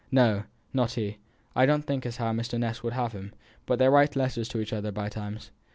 "No, not he. I don't think as how Mr. Ness would have him; but they write letters to each other by times.